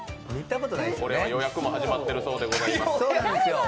これは予約も始まっているそうでございます。